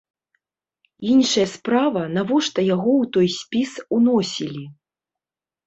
Іншая справа, навошта яго ў той спіс уносілі?